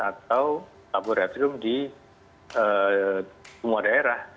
atau laboratorium di semua daerah